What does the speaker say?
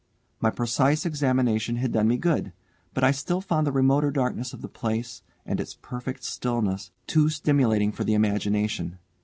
My precise examination had done me good, but I still found the remoter darkness of the place, and its perfect stillness, too stimulating for the imagination.